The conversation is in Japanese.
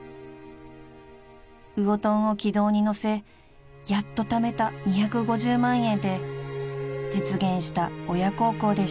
［魚とんを軌道に乗せやっとためた２５０万円で実現した親孝行でした］